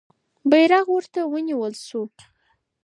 بیرغ ورته ونیول سو.